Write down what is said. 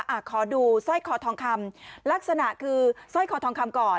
อ่ะขอดูสร้อยคอทองคำลักษณะคือสร้อยคอทองคำก่อน